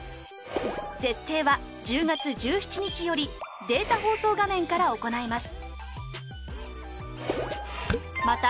設定は１０月１７日よりデータ放送画面から行えます